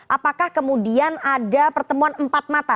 apakah kemudian ada pertemuan empat mata